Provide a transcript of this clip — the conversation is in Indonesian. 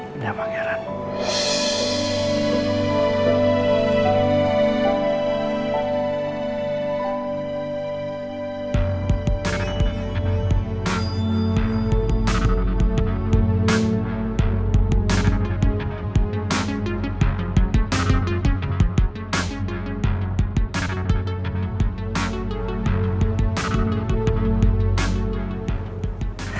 jangan panggil aku